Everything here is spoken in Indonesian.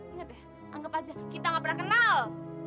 ingat ya anggap aja kita gak pernah kenal